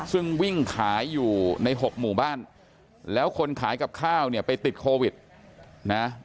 ซึ่งวิ่งขายอยู่ใน๖หมู่บ้านแล้วคนขายกับข้าวเนี่ยไปติดโควิดนะ